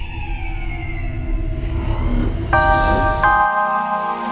makasih aku datang mamuko